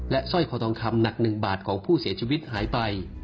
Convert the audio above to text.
สร้อยคอทองคำหนัก๑บาทของผู้เสียชีวิตหายไป